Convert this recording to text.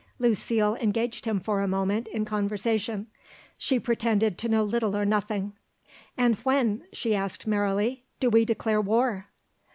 Lucile engaged him for a moment in conversation; she pretended to know little or nothing. "And when," she asked merrily, "do we declare war?"